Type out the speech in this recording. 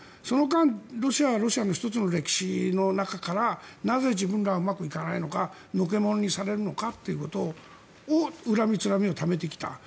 その間、ロシアはロシアの１つの歴史の中からなぜ自分らはうまくいかないのかのけ者にされるのかということを恨みつらみをためてきた。